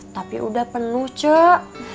tapi udah penuh cek